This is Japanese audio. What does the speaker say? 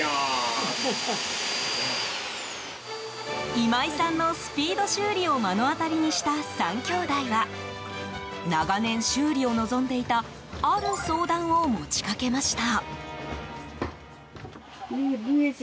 今井さんのスピード修理を目の当たりにした３きょうだいは長年、修理を望んでいたある相談を持ちかけました。